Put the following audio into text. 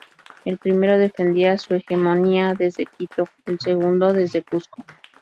El primero defendía su hegemonía desde Quito, el segundo desde Cuzco.